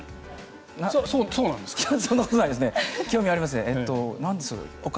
そうなんですか？